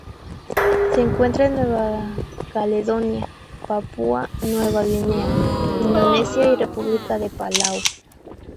Se encuentran en Nueva Caledonia, Papúa Nueva Guinea, Indonesia y República de Palau.